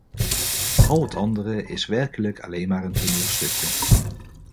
Al het andere is werkelijk alleen maar een toneelstukje.